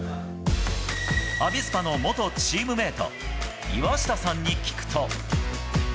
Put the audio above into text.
アビスパの元チームメート、岩下さんに聞くと。